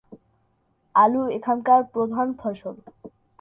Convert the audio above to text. আলু এখানকার প্রধান ফসল।